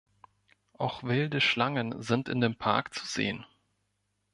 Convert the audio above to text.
Auch wilde Schlangen sind in dem Park zu sehen.